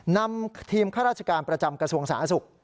นำทีมข้าราชการประจำกระทรวงสาธารณสุข